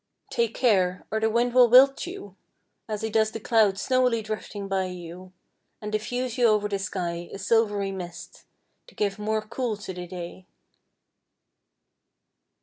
Take care, or the wind will wilt you, As he does the clouds snowily drifting by you, And diffuse you over the sky, a silvery mist, To give more cool to the day!